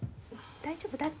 大丈夫だって。